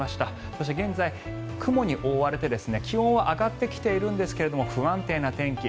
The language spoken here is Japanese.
そして、現在、雲に覆われて気温は上がってきてはいるんですが不安定な天気